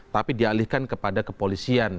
tapi dialihkan kepada kepolisian